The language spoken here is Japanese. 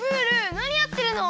なにやってるの？